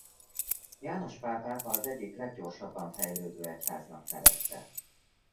János Pál pápa az egyik leggyorsabban fejlődő egyháznak nevezte.